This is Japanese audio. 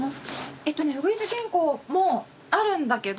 えとねウグイス原稿もあるんだけど。